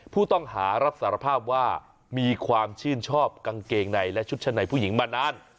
ผู้ต้องหารับสารภาพว่ามีความชื่นชอบกางเกงในและชุดชั้นในผู้หญิงมานาน